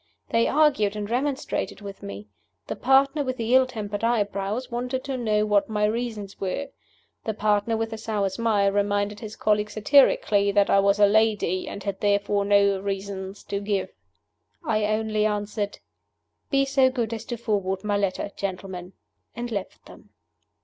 They argued and remonstrated with me. The partner with the ill tempered eyebrows wanted to know what my reasons were. The partner with the sour smile reminded his colleague satirically that I was a lady, and had therefore no reasons to give. I only answered, "Be so good as to forward my letter, gentlemen," and left them.